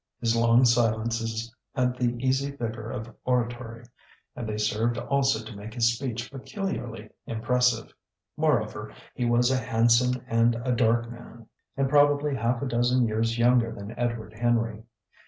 His long silences had the easy vigour of oratory, and they served also to make his speech peculiarly impressive. Moreover, he was a handsome and a dark man, and probably half a dozen years younger than Edward Henry.